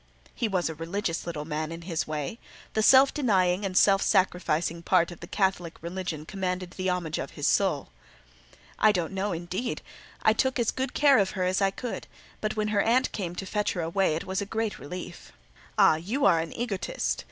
[He was a religious little man, in his way: the self denying and self sacrificing part of the Catholic religion commanded the homage of his soul.] "I don't know, indeed: I took as good care of her as I could; but when her aunt came to fetch her away, it was a great relief." "Ah! you are an egotist.